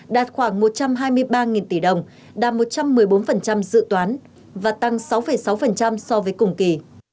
đạt khoảng một trăm hai mươi ba tỷ đồng đạt một trăm một mươi bốn dự toán và tăng sáu sáu so với cùng kỳ